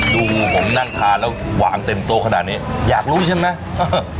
ดูผมนั่งทานแล้วหวานเต็มโต๊ะขนาดนี้อยากรู้ใช่ไหมเออ